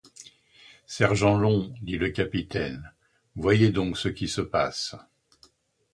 Sergent Long, dit le capitaine, voyez donc ce qui se passe !